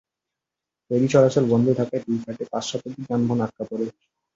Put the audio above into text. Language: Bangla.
ফেরি চলাচল বন্ধ থাকায় দুই ঘাটে পাঁচ শতাধিক যানবাহন আটকা পড়ে।